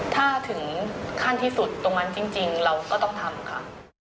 ถ้าถึงขั้นที่สุดตรงนั้นจริงเราก็ต้องทำค่ะ